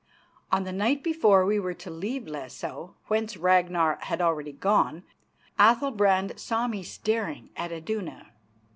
On the night before we were to leave Lesso, whence Ragnar had already gone, Athalbrand saw me staring at Iduna.